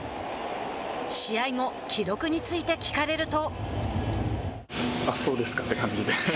試合後、記録について聞かれると。